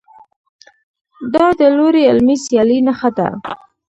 دا د لوړې علمي سیالۍ نښه ده.